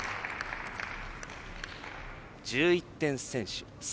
１１点先取３